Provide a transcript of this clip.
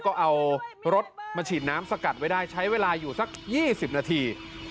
ก็เอารถมาฉีดน้ำสกัดไว้ได้ใช้เวลาอยู่สัก๒๐นาที